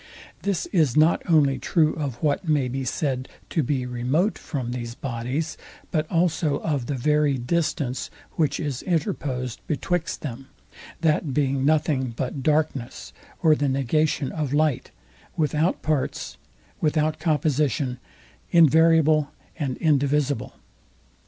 This is not only true of what may be said to be remote from these bodies, but also of the very distance; which is interposed betwixt them; that being nothing but darkness, or the negation of light; without parts, without composition, invariable and indivisible.